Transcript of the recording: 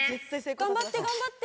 頑張って、頑張って。